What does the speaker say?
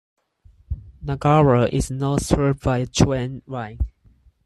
Nagara is not served by a train line.